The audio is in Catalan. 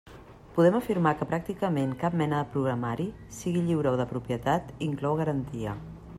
Podem afirmar que pràcticament cap mena de programari, sigui lliure o de propietat, inclou garantia.